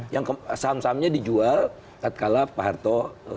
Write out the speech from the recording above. yang saham sahamnya dijual saat kalah pak harto